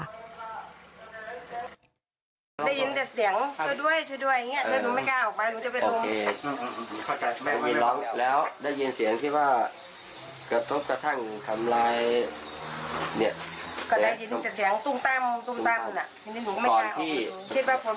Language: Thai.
ช่วยด้วยช่วยด้วย